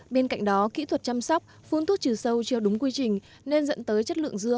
bên cạnh đó kỹ thuật chăm sóc phun thuốc trừ sâu chưa đúng quy trình nên dẫn tới chất lượng dưa